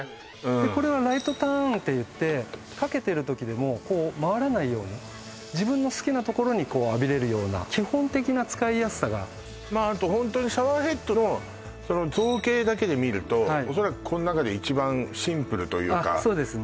これはライトターンっていってかけてる時でも回らないように自分の好きなところに浴びれるような基本的な使いやすさがあとホントにシャワーヘッドの造形だけで見ると恐らくこん中で一番シンプルというかあっそうですね